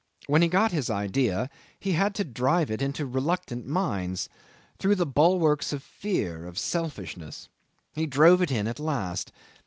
When he got his idea he had to drive it into reluctant minds, through the bulwarks of fear, of selfishness. He drove it in at last.